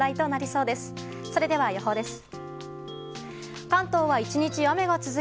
それでは、予報です。